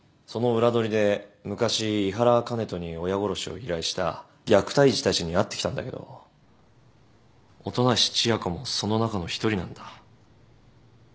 その裏取りで昔井原香音人に親殺しを依頼した虐待児たちに会ってきたんだけど音無千夜子もその中の一人なんだ。